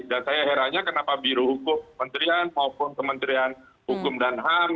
dan saya herannya kenapa biru hukum pemerintahan maupun kementerian hukum dan ham